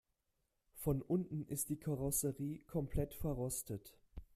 Von unten ist die Karosserie komplett verrostet.